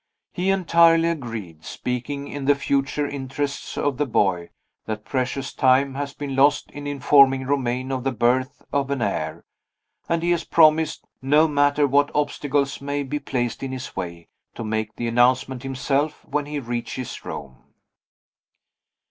He entirely agreed (speaking in the future interests of the boy) that precious time has been lost in informing Romayne of the birth of an heir; and he has promised, no matter what obstacles may be placed in his way, to make the announcement himself, when he reaches Rome.